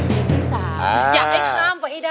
เพลงที่๓อยากให้ข้ามไปให้ได้